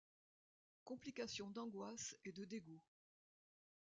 Complication d’angoisse et de dégoût.